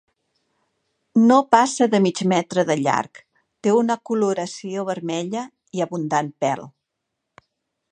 No passa de mig metre de llarg, té una coloració vermella i abundant pèl.